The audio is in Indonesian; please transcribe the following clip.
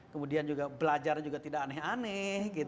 kemudian juga belajar juga tidak aneh aneh